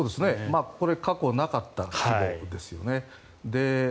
これ過去なかった規模ですよね。